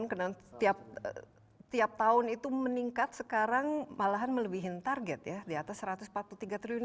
karena tiap tahun itu meningkat sekarang malahan melebihi target ya di atas satu ratus empat puluh tiga triliun